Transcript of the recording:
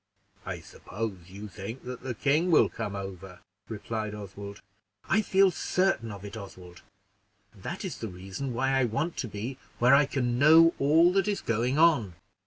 "I suppose you think that the king will come over," replied Oswald. "I feel certain of it, Oswald; and that is the reason why I want to be where I can know all that is going on."